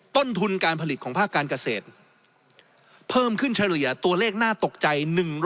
ต้นทุนการผลิตของภาคการเกษตรเพิ่มขึ้นเฉลี่ยตัวเลขน่าตกใจ